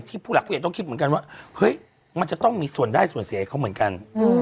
ที่ผู้หลักกลุ่มเข้าอยากนึกว่าเฮ้ยมันจะมีส่วนได้ส่วนเสียเขาเหมือนกัน